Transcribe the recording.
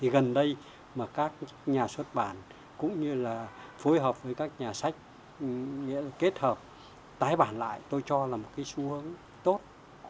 gần đây các nhà xuất bản cũng như phối hợp với các nhà sách kết hợp tái bản lại tôi cho là một xu hướng tốt